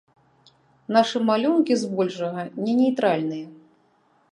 Нашы малюнкі, збольшага, не нейтральныя.